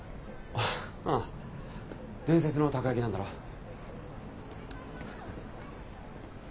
ああ伝説のたこやきなんだろ？